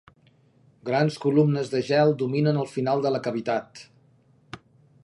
Grans columnes de gel dominen el final de la cavitat.